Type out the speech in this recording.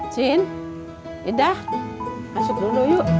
cin ida masuk dulu yuk